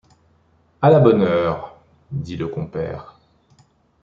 À la bonne heure! dit le compère.